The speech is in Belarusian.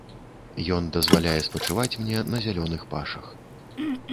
Ён дазваляе спачываць мне на зялёных пашах.